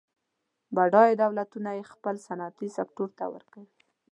بډایه دولتونه یې خپل صنعتي سکتور ته ورکوي.